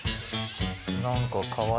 何かかわいい。